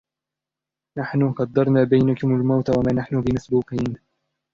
نحن قدرنا بينكم الموت وما نحن بمسبوقين